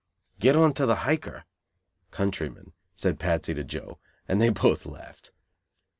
"Get on to the Hiker," (countryman) said Patsy to Joe, and they both laughed.